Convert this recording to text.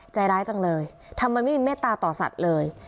ใจร้ายจังเลยทำไมไม่มีเมตตาต่อสัตว์เลย